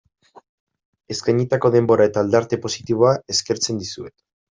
Eskainitako denbora eta aldarte positiboa eskertzen dizuet.